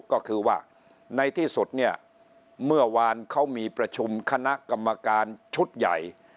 ก็คือว่าในที่สุดเนี่ยเมื่อวานเขามีประชุมคณะกรรมการชุดใหญ่